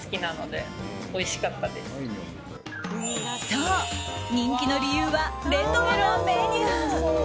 そう、人気の理由はレトロなメニュー。